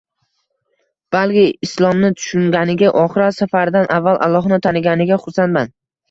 balki Islomni tushunganiga, oxirat safaridan avval Allohni taniganiga xursandman.